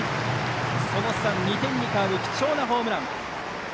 その差、２点に変わる貴重なホームラン。